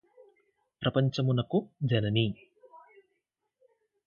ప్రపంచమునకు జనని